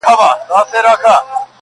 خړسایل مي د لفظونو شاهنشا دی,